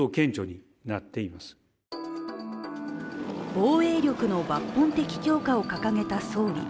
防衛力の抜本的強化を掲げた総理。